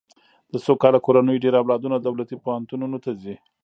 د سوکاله کورنیو ډېر اولادونه دولتي پوهنتونونو ته ځي.